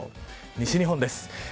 西日本です。